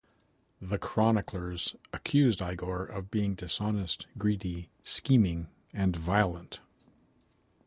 The chroniclers accused Igor of being dishonest, greedy, scheming, and violent.